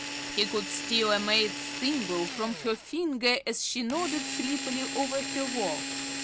He could steal a maid's thimble from her finger as she nodded sleepily over her work.